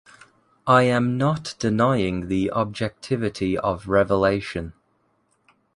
I am not denying the objectivity of revelation.